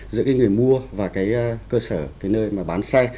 giữa cái người mua và cái cơ sở cái nơi mà bán xe